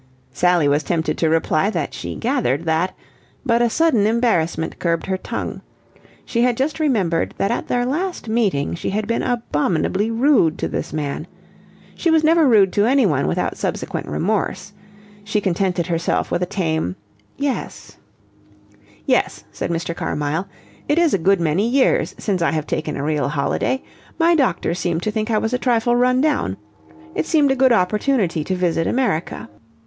Sally was tempted to reply that she gathered that, but a sudden embarrassment curbed her tongue. She had just remembered that at their last meeting she had been abominably rude to this man. She was never rude to anyone, without subsequent remorse. She contented herself with a tame "Yes." "Yes," said Mr. Carmyle, "it is a good many years since I have taken a real holiday. My doctor seemed to think I was a trifle run down. It seemed a good opportunity to visit America.